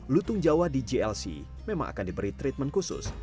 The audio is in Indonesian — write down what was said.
lutung jawa di jlc memang akan diberi treatment khusus